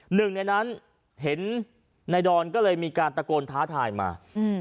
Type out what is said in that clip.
หนึ่งในนั้นเห็นนายดอนก็เลยมีการตะโกนท้าทายมา